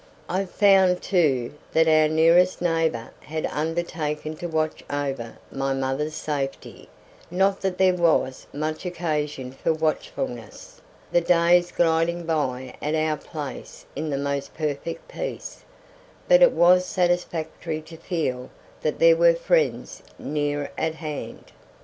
I found, too, that our nearest neighbour had undertaken to watch over my mother's safety, not that there was much occasion for watchfulness, the days gliding by at our place in the most perfect peace, but it was satisfactory to feel that there were friends near at hand.